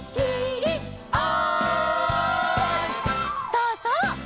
そうそう！